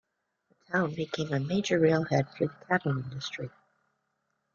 The town became a major railhead for the cattle industry.